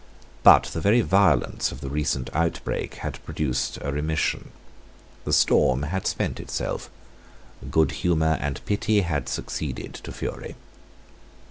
But the very violence of the recent outbreak had produced a remission. The storm had spent itself. Good humour and pity had succeeded to fury.